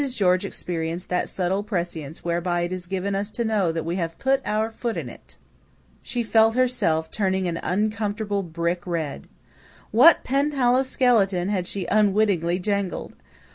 George experienced that subtle prescience whereby it is given us to know that we have put our foot in it. She felt herself turning an uncomfortable brick red. What Penhallow skeleton had she unwittingly jangled?